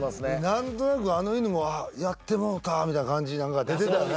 何となくあの犬もやってもうたみたいな感じ何か出てたよね